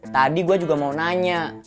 tadi gue juga mau nanya